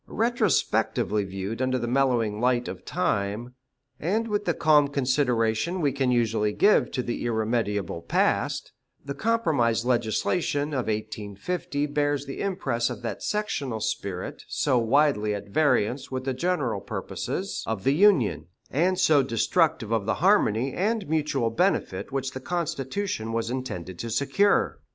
Retrospectively viewed under the mellowing light of time, and with the calm consideration we can usually give to the irremediable past, the compromise legislation of 1850 bears the impress of that sectional spirit so widely at variance with the general purposes of the Union, and so destructive of the harmony and mutual benefit which the Constitution was intended to secure.